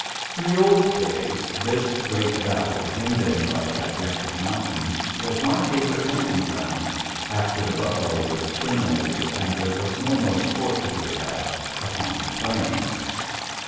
In the old days this great valley, hemmed in by gigantic mountains, was my favorite hunting ground after the buffalo were exterminated and there was no more sport to be had upon the plains.